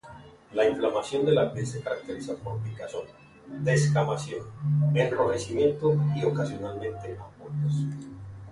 La inflamación de la piel se caracteriza por picazón, descamación, enrojecimiento y, ocasionalmente, ampollas.